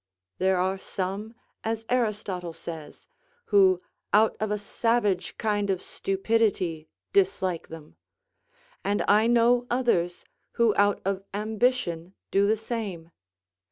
There are some, as Aristotle says, who out of a savage kind of stupidity dislike them; and I know others who out of ambition do the same.